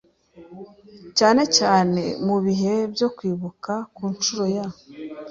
cyane cyane mu bihe byo kwibuka ku nshuro ya